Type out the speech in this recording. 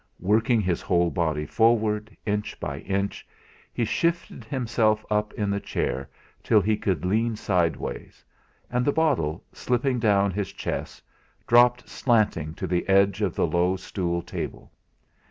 Working his whole body forward, inch by inch, he shifted himself up in the chair till he could lean sideways, and the bottle, slipping down his chest, dropped slanting to the edge of the low stool table.